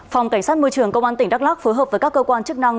phòng cảnh sát môi trường công an tỉnh đắk lắc phối hợp với các cơ quan chức năng